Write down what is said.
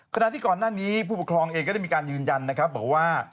ขณะที่ก่อนหน้านี้ผู้ปกครองเองก็ได้มีการยืนยันนะครับบอกว่า